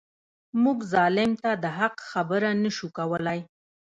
موږ ظالم ته د حق خبره نه شو کولای.